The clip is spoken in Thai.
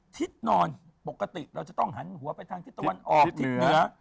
ทิศนอนปกติเราจะต้องหันหัวไปทางทิศตะวันออกทิศเหนือ